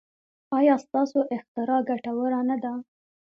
ایا ستاسو اختراع ګټوره نه ده؟